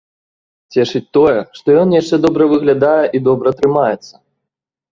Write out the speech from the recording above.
Цешыць тое, што ён яшчэ добра выглядае і добра трымаецца.